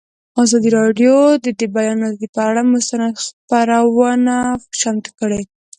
ازادي راډیو د د بیان آزادي پر اړه مستند خپرونه چمتو کړې.